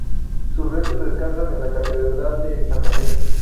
Sus restos descansan en la Catedral de Santa Fe.